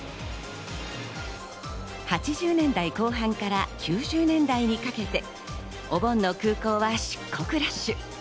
８０年代後半から９０年代にかけて、お盆の空港は出国ラッシュ。